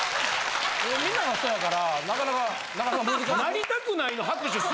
みんながそやからなかなかなかなか難しい。